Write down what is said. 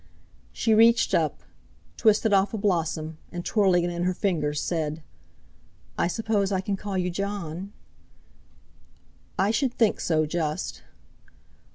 She reached up, twisted off a blossom and, twirling it in her fingers, said: "I suppose I can call you Jon?" "I should think so just."